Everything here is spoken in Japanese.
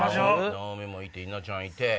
直美もいて稲ちゃんいて。